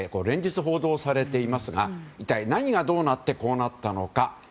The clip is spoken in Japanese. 連日報道されていますが一体何がどうなってこうなったのか。